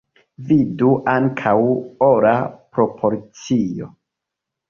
Vidu ankaŭ: Ora proporcio.